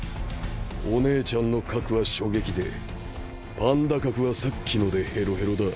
お姉ちゃんの核は初撃でパンダ核はさっきのでヘロヘロだ。